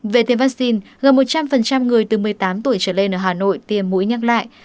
về tiêm vaccine gần một trăm linh người từ một mươi tám tuổi trở lên ở hà nội tiêm mũi nhắc lại